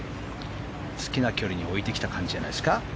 好きな距離に置いてきた感じじゃないですか。